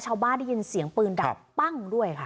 ได้ยินเสียงปืนดังปั้งด้วยค่ะ